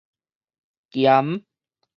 嚴